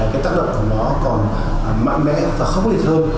cái tác động của nó còn mạnh mẽ và không có thể hơn